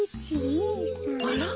あら？